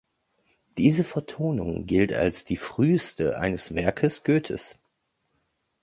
Diese Vertonung gilt als die früheste eines Werkes Goethes.